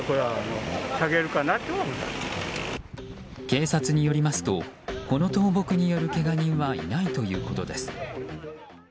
警察によりますとこの倒木によるけが人はいないということです。